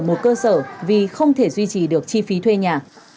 một cơ sở vì không thể duy trì được chi phí thuê nhà